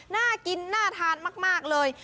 น่ากินน่าทานมากเลย